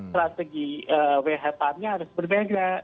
strategi whpap nya harus berbeda